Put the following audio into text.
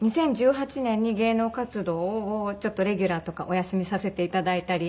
２０１８年に芸能活動をちょっとレギュラーとかお休みさせていただいたり。